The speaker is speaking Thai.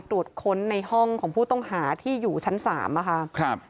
ตรวจค้นในห้องของผู้ต้องหาที่อยู่ชั้น๓นะคะครับ